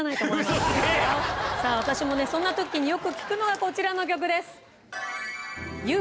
私もねそんな時によく聴くのがこちらの曲です。